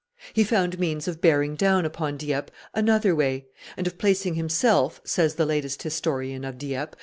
He found means of bearing down upon Dieppe another way, and of placing himself, says the latest historian of Dieppe, M.